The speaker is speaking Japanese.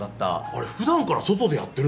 あれふだんから外でやってるの？